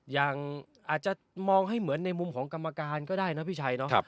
อย่างอาจจะมองให้เหมือนในมุมของกรรมการก็ได้นะพี่ชัยเนาะ